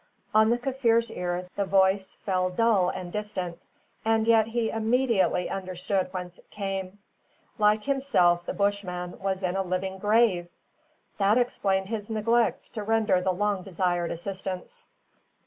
On the Kaffir's ear the voice fell dull and distant; and yet he immediately understood whence it came. Like himself, the Bushman was in a living grave! That explained his neglect to render the long desired assistance.